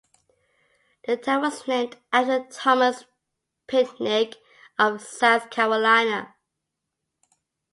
The town was named after Thomas Pinckney of South Carolina.